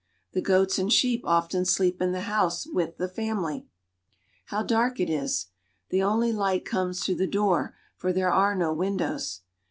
The goats and sheep often sleep in the house with the family. How dark it is ! The only light comes through the door, for there are no windows.